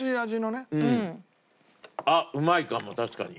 あっうまいかも確かに。